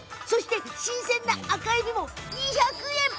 新鮮な赤えびも２００円！